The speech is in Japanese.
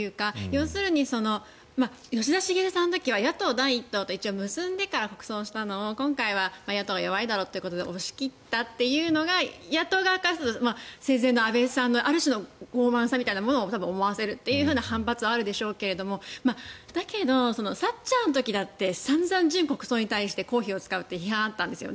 要するに吉田茂さんの時は野党第１党と一応結んでから国葬したのを今回は野党が弱いということで押し切ったというのが野党側からすると生前の安倍さんのある種の傲慢さみたいなものを多分思わせるという反発はあるでしょうけどだけど、サッチャーの時だって散々、準国葬に対して公費を使うって批判はあったんですよ。